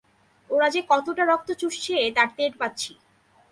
ওরা যে কতোটা রক্ত চুষছে তা টের পাচ্ছি।